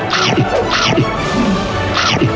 กินมาก